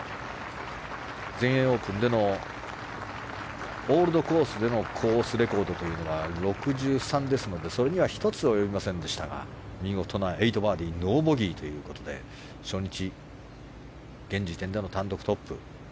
全英オープンでのオールドコースでのコースレコードというのが６３ですので、それには１つ及びませんでしたが見事な８バーディーノーボギーということで初日、現時点での単独トップ。